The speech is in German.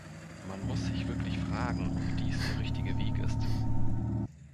Man muss sich wirklich fragen, ob dies der richtige Weg ist.